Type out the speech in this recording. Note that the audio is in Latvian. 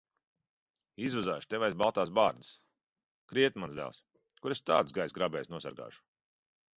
Izvazāšu tevi aiz baltās bārzdas. Krietni, mans dēls. Kur es tādus gaisa grābējus nosargāšu!